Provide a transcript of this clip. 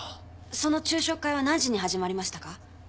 その昼食会は何時に始まりましたか？